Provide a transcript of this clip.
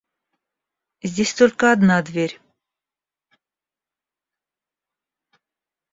Здесь только одна дверь.